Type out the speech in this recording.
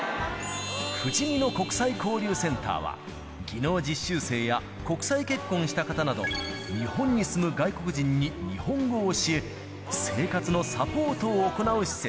ふじみの国際交流センターは、技能実習生や国際結婚した方など、日本に住む外国人に日本語を教え、生活のサポートを行う施設。